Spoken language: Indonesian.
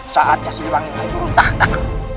saatnya siliwangi akan turun takkan